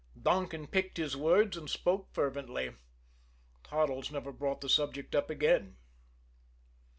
Donkin picked his words and spoke fervently. Toddles never brought the subject up again.